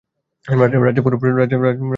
রাজাপুর বাজার।